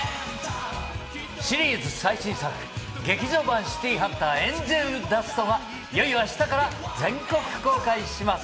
シリーズ最新作『劇場版シティーハンター天使の涙』がいよいよあしたから全国公開します。